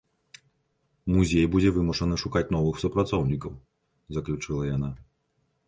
Музей будзе вымушаны шукаць новых супрацоўнікаў, заключыла яна.